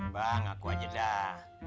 bang aku aja dah